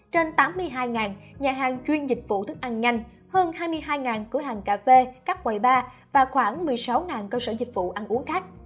trên tám mươi hai nhà hàng chuyên dịch vụ thức ăn nhanh hơn hai mươi hai cửa hàng cà phê các quầy ba và khoảng một mươi sáu cơ sở dịch vụ ăn uống khác